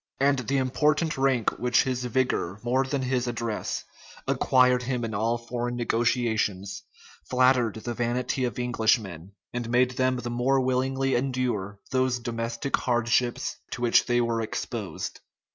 And the important rank which his vigor, more than his address, acquired him in all foreign negotiations, flattered the vanity of Englishmen, and made them the more willingly endure those domestic hardships to which they were exposed.